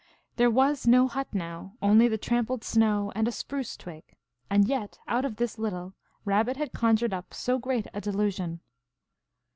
There was no hut now, only the trampled snow and a spruce twig, and yet out of this little, Rabbit had conjured up so great a delusion.